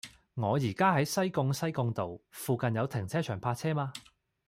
我依家喺西貢西貢道，附近有停車場泊車嗎